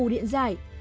bù điện dài